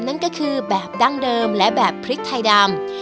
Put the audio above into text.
นั่นก็คือแบบดั้งเดิมและแบบพริกไทยดำ